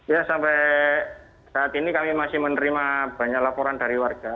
ya sampai saat ini kami masih menerima banyak laporan dari warga